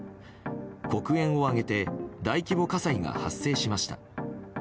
黒煙を上げて大規模火災が発生しました。